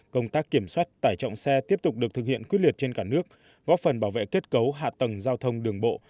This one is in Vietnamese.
công tác kiểm soát tải trọng xe tiếp tục được thực hiện quyết liệt trên cả nước góp phần bảo vệ kết cấu hạ tầng giao thông đường bộ